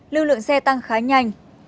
lưu lượng xe tăng khá nhanh